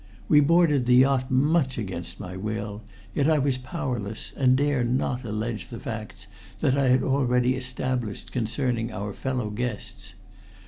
We boarded the yacht much against my will, yet I was powerless, and dare not allege the facts that I had already established concerning our fellow guests.